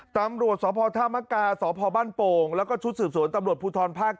ตำรวจสพธามกาสพบ้านโป่งแล้วก็ชุดสืบสวนตำรวจภูทรภาค๙